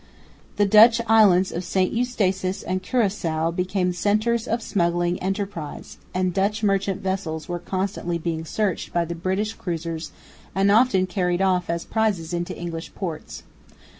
The Dutch islands of St Eustatius and Curaçoa became centres of smuggling enterprise; and Dutch merchant vessels were constantly being searched by the British cruisers and often carried off as prizes into English ports.